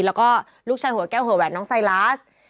แล้วก็ลูกชายหัวแก้วหัวแหวนน้องไซลาส